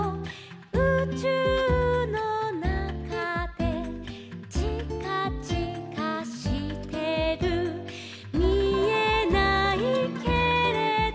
「うちゅうのなかで」「ちかちかしてる」「みえないけれど」